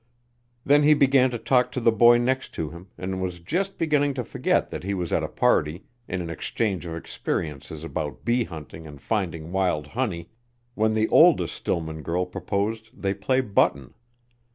Then he began to talk to the boy next to him, and was just beginning to forget that he was at a party, in an exchange of experiences about bee hunting and finding wild honey, when the oldest Stillman girl proposed they play button.